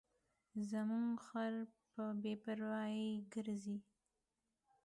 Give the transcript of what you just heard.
زموږ خر په بې پروایۍ ګرځي.